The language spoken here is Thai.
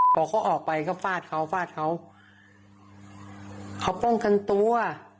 พอเขาออกไปก็ฟาดเขาฟาดเขาเขาป้องกันตัว